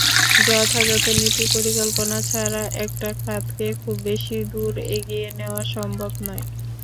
যথাযথ নীতি-পরিকল্পনা ছাড়া একটা খাতকে খুব বেশি দূর এগিয়ে নেওয়ার সম্ভব নয়।